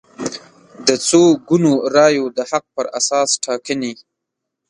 د څو ګونو رایو د حق پر اساس ټاکنې